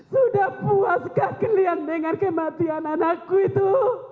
sudah puaskah kalian dengan kematian anakku itu